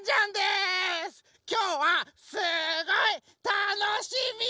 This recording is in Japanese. きょうはすっごいたのしみ！